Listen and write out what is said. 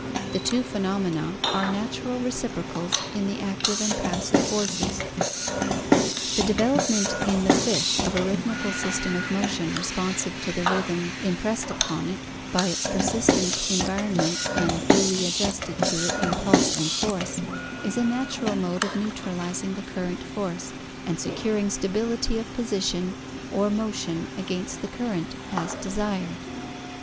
The two phenom ena are natural reciprocals in the active and passive voices. ''The development in the fish of a rhythmical system of motion responsive to the rhythm impressed upon it by its persistent en vironment and duly adjusted to it in pulse and force, is a natural mode of neutralizing the current force and securing stability of posi tion or motion against the current, as desired.